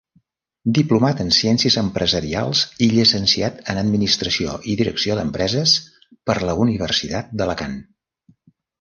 Diplomat en Ciències Empresarials i Llicenciat en Administració i Direcció d’Empreses per la Universitat d’Alacant.